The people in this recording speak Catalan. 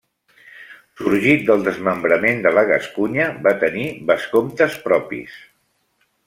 Sorgit del desmembrament de la Gascunya, va tenir vescomtes propis.